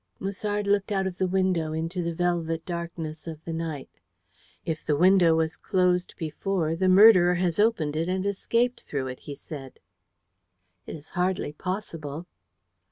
Musard looked out of the window into the velvet darkness of the night. "If the window was closed before, the murderer has opened it and escaped through it," he said. "It is hardly possible."